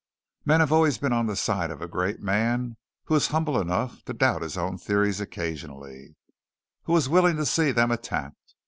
Men have always been on the side of a great man who was humble enough to doubt his own theories occasionally, who was willing to see them attacked.